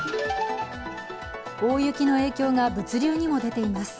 大雪の影響が物流にも出ています。